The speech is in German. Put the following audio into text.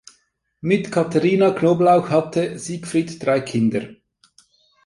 Mit Katharina Knoblauch hatte Siegfried drei Kinder.